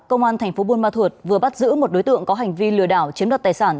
công an tp buôn ma thuột vừa bắt giữ một đối tượng có hành vi lừa đảo chiếm đặt tài sản